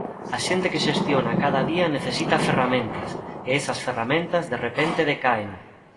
A xente que xestiona cada día necesita ferramentas, e esas ferramentas de repente decaen.